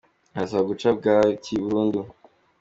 Barasabwa guca bwaki burundu